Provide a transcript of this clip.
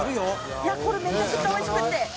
いやこれめちゃくちゃおいしくて。